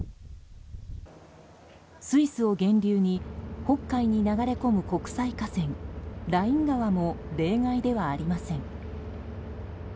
スイスを源流に北海に流れ込む国際河川ライン川も例外ではありません。